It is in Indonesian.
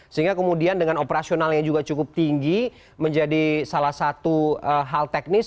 sehingga kemudian dengan operasional yang juga cukup tinggi menjadi salah satu hal teknis